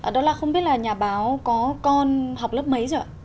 đó là không biết là nhà báo có con học lớp mấy rồi